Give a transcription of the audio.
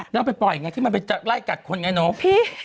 เดี๋ยวไปปล่อยไงที่มันใกล้จับคนไงหนู